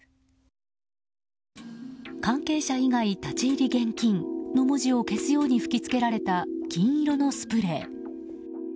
関係者以外立ち入り厳禁の文字を消すように吹き付けられた金色のスプレー。